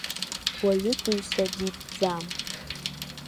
Уаҩытәыҩса дитәӡам.